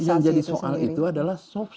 yang jadi soal itu adalah soft